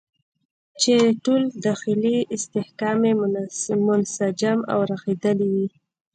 چې ټول داخلي استحکام یې منسجم او رغېدلی وي.